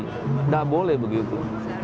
tidak boleh begitu